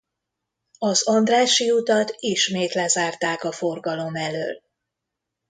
Az Andrássy utat ismét lezárták a forgalom elől.